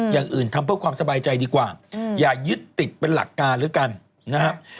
อย่างอื่นทำเพื่อความสบายใจดีกว่าอย่ายึดติดเป็นหลักการแล้วกันนะครับ